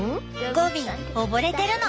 ゴビ溺れてるの。